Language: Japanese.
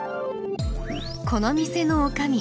この店のおかみ